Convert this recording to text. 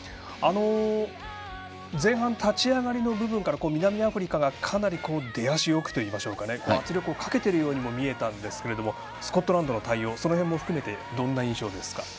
前半立ち上がりから南アフリカがかなり出足よくといいましょうか圧力をかけているようにも見えたんですけれどもスコットランドの対応はその辺も含めてどんな印象ですか。